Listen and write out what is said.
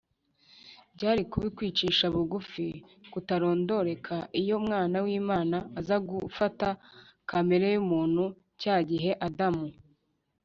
Byari kuba ukwicisha bugufi kutarondoreka iyo Umwana w’Imana aza gufata kamere y’umuntu, cya gihe Adamu